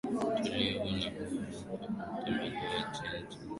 tulivu na hupenda kutembea chini chini kwa kiwango Cha sentimita moja